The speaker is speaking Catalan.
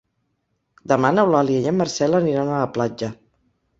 Demà n'Eulàlia i en Marcel aniran a la platja.